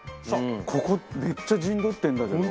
ここめっちゃ陣取ってるんだけど。